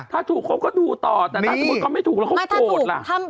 ถ้าถูกเขาก็ดูต่อแต่ถ้าสมมุติเขาไม่ถูกแล้วเขาโกรธล่ะ